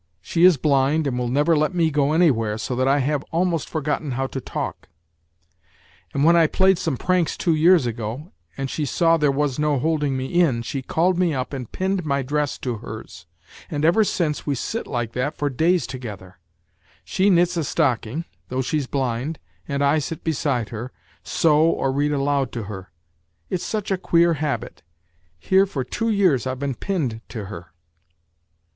She is blind and will never let me go anywhere, so that I have almost forgotten how to talk ; and when I played some pranks two years ago, and she saw there was no holding me in, she called me up and pinned my dress to hers, and ever since we sit like that for days together ; she knits a stocking, though she's blind, and I sit beside her, sew or read aloud to her it's such a queer habit, here for two years I've been pinned to her.